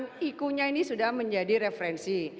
ikunya ini sudah menjadi referensi